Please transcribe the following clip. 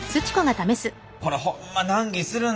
これホンマ難儀するんですよ。